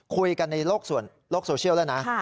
คุยกันในโลกโซเชียลแล้วนะ